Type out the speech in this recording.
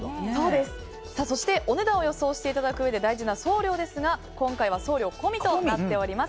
そして、お値段を予想していただくうえで大事な送料ですが今回は送料込みとなっております。